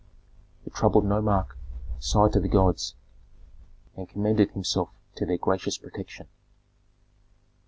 The troubled nomarch sighed to the gods, and commended himself to their gracious protection.